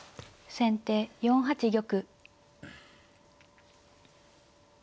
先手３八玉。